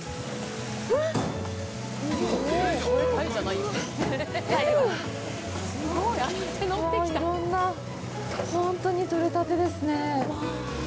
いろんな、本当に取れたてですね。